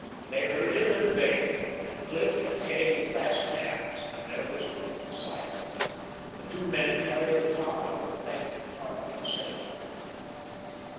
They heard him and obeyed. And Cliff and Kay clasped hands, and there was Ruth beside them. The two men carried the top out of the baggage compartment and set it up.